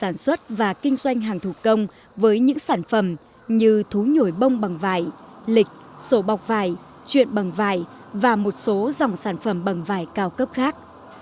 sản xuất và kinh doanh hàng thủ công với những sản phẩm như thú nhổi bông bằng vải lịch sổ bọc vải chuyện bằng vải và một số dòng sản phẩm bằng vải cao cấp khác